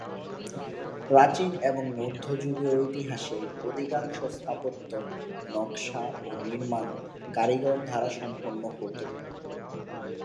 প্রাচীন এবং মধ্যযুগীয় ইতিহাসে অধিকাংশ স্থাপত্য নকশা ও নির্মাণ কারিগর দ্বারা সম্পন্ন হতো।